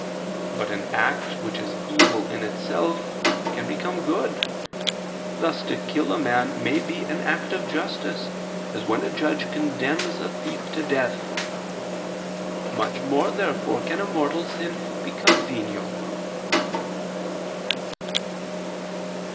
But an act which is evil in itself, can become good; thus to kill a man may be an act of justice, as when a judge condemns a thief to death. Much more therefore can a mortal sin become venial.